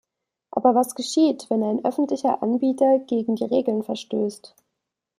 Aber was geschieht, wenn ein öffentlicher Anbieter gegen die Regeln verstößt?